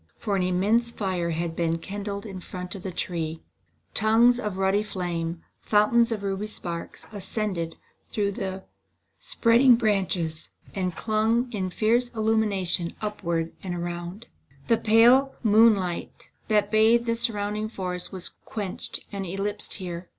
For an immense fire had been kindled in front of the tree. Tongues of ruddy flame, fountains of ruby sparks, ascended through the spreading limbs and flung a fierce illumination upward and around. ward and around. The pale, pure moonlight that bathed the surrounding forests was quenched and eclipsed here.